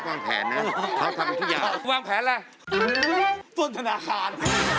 เขาเลือกคนอะอย่างนี้ก่อน